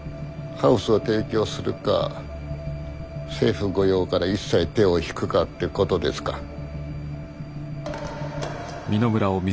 ハウスを提供するか政府御用から一切手を引くかってことですか。